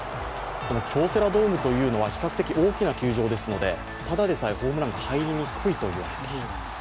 京セラドームというのは比較的大きな球場ですので、ただでさえホームランが入りにくいと言われている。